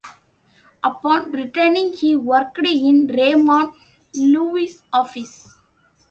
Upon returning he worked in Raymond Loewy's office.